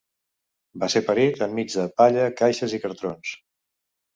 Va ser parit enmig de palla, caixes i cartrons.